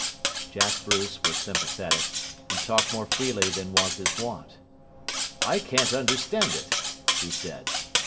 Jack Bruce was sympathetic, and talked more freely than was his wont. "I can't understand it," he said.